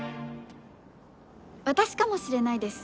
私かもしれないです